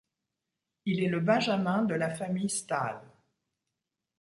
Il est le benjamin de la famille Staal.